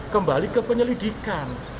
kembali ke penyelidikan